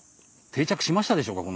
定着しましたでしょうか？